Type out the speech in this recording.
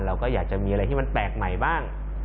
เราก็อยากจะมีอะไรที่มันแปลกใหม่บ้าง